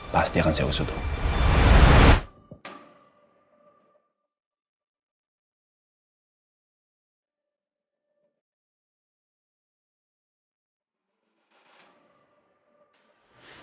pasti akan saya usut dong